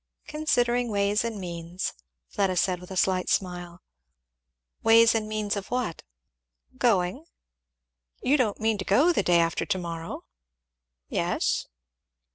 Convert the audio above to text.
"Considering ways and means," Fleda said with a slight smile. "Ways and means of what?" "Going." "You don't mean to go the day after to morrow?" "Yes."